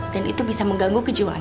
dan itu bisa mengganggu kejiwaan